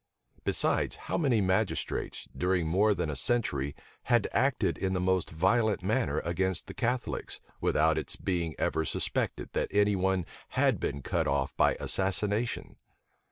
Besides, how many magistrates, during more than a century, had acted in the most violent manner against the Catholics, without its being ever suspected that any one had been cut off by assassination?